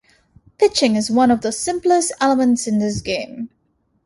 Pitching is one of the simplest elements in this game.